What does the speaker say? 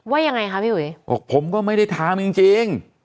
ว่ายังไงคะพี่อุ๋ยบอกผมก็ไม่ได้ทำจริงจริง